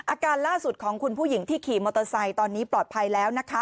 อาการล่าสุดของคุณผู้หญิงที่ขี่มอเตอร์ไซค์ตอนนี้ปลอดภัยแล้วนะคะ